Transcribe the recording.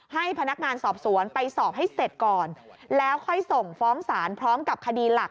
ให้พนักงานสอบสวนไปสอบให้เสร็จก่อนแล้วค่อยส่งฟ้องศาลพร้อมกับคดีหลัก